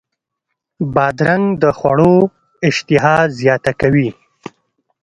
بادرنګ د خوړو اشتها زیاته کوي.